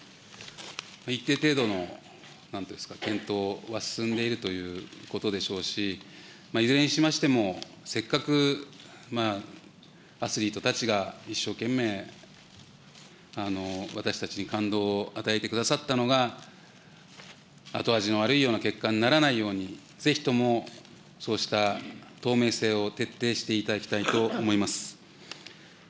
一定程度の検討は進んでいるということでしょうし、いずれにしましても、せっかくアスリートたちが一生懸命、私たちに感動を与えてくださったのが、後味の悪い結果にならないように、ぜひともそうした透明性を徹底していただきたいと思います。